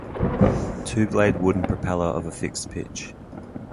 Two-blade wooden propeller of a fixed pitch.